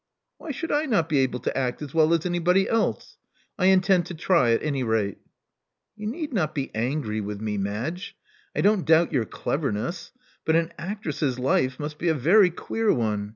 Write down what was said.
* Why should I not be able to act as well as anybody else? I intend to try, at any rate." "You need not be angry with me, Madge. I don't doubt your cleverness; but an actress's life must be a very queer one.